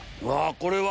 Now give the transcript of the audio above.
これは。